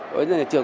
với dân trường